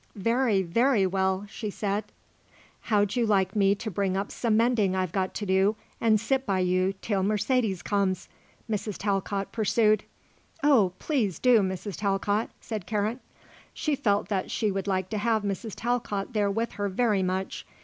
"Very, very well," she said. "How'd you like me to bring up some mending I've got to do and sit by you till Mercedes comes?" Mrs. Talcott pursued. "Oh, please do, Mrs. Talcott," said Karen. She felt that she would like to have Mrs. Talcott there with her very much.